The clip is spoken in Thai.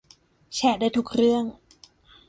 แชร์ได้ทุกเรื่อง